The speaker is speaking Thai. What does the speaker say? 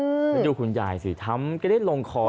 แล้วดูคุณยายสิทำกระเด็นลงคอแบบนี้นะ